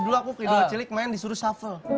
dulu aku ke dola cili kemaren disuruh shuffle